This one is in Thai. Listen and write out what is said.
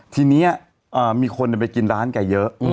ทีนี้มีคนไปกินร้านแกเยอะ